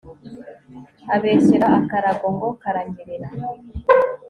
abeshyera akarago ngo karanyerera